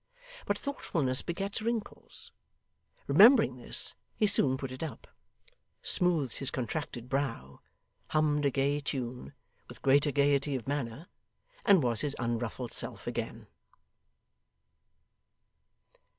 But thoughtfulness begets wrinkles; remembering this, he soon put it up, smoothed his contracted brow, hummed a gay tune with greater gaiety of manner, and was his unruffled self again.